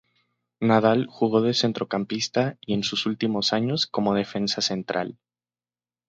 Nadal jugó de centrocampista y, en sus últimos años, como defensa central.